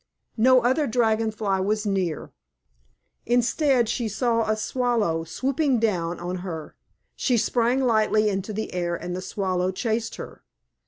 No other Dragon Fly was near. Instead, she saw a Swallow swooping down on her. She sprang lightly into the air and the Swallow chased her.